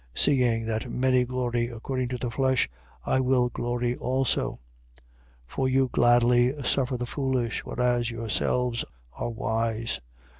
11:18. Seeing that many glory according to the flesh, I will glory also. 11:19. For you gladly suffer the foolish: whereas yourselves are wise.